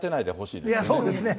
いや、そうですね。